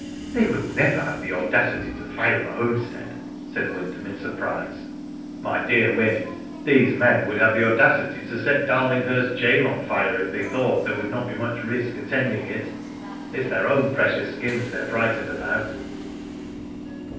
"They would never have the audacity to fire the homestead," said Wyndham, in surprise. " My dear Wyn, these men would have the audacity to set Darlinghurst Gaol on fire if they thought there would not be much risk attending it. It is their own precious skins they are frightened about."